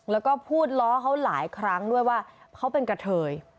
แล้วก็พูดล้อเขาหลายครั้งด้วยว่าเขาเป็นกะเทย